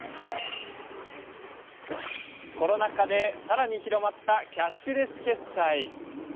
コロナ禍でさらに広まったキャッシュレス決済。